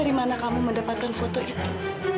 dari mana kamu mendapatkan foto itu